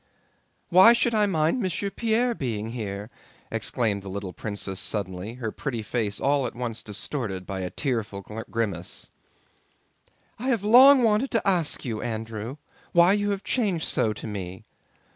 "Why should I mind Monsieur Pierre being here?" exclaimed the little princess suddenly, her pretty face all at once distorted by a tearful grimace. "I have long wanted to ask you, Andrew, why you have changed so to me?